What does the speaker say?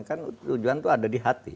kan tujuan itu ada di hati